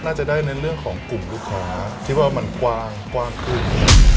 น่าจะได้ในเรื่องของกลุ่มลูกค้าที่ว่ามันกว้างขึ้น